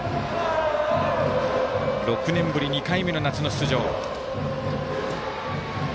６年ぶり、２回目の夏の出場。